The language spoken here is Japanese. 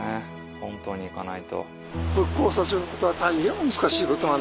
本島に行かないと。